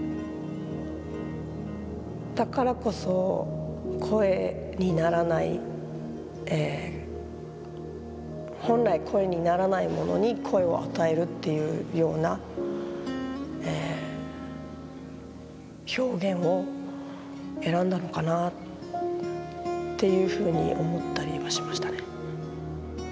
だからこそ声にならない本来声にならないものに声を与えるっていうような表現を選んだのかなっていうふうに思ったりはしましたね。